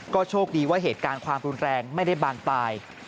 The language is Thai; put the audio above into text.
โชคดีว่าเหตุการณ์ความรุนแรงไม่ได้บานปลาย